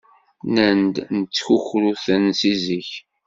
Nnan-d nettkukru-ten seg zik.